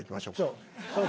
そう。